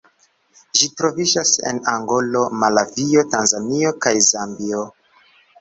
Ĝi troviĝas en Angolo, Malavio, Tanzanio kaj Zambio.